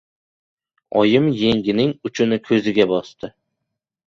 Oyim yengining uchini ko‘ziga bosdi.